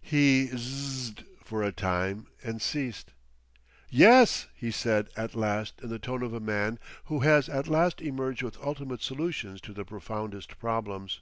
He Zzzzed for a time and ceased. "Yes," he said at last in the tone of a man who has at last emerged with ultimate solutions to the profoundest problems.